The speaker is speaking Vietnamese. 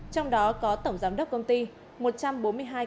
trong đó có tổng giám đốc công ty